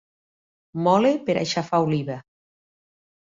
Mola per a aixafar oliva.